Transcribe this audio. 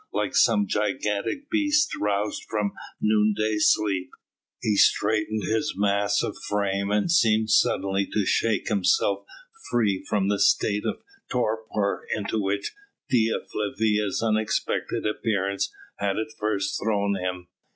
Like some gigantic beast roused from noonday sleep, he straightened his massive frame and seemed suddenly to shake himself free from that state of torpor into which Dea Flavia's unexpected appearance had at first thrown him.